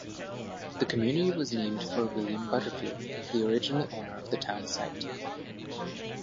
The community was named for William Butterfield, the original owner of the town site.